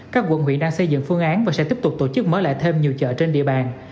các quận huyện đang xây dựng phương án và sẽ tiếp tục tổ chức mở lại thêm nhiều chợ trên địa bàn